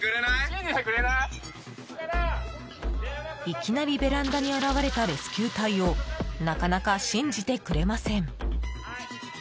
いきなりベランダに現れたレスキュー隊をなかなか信じてくれません。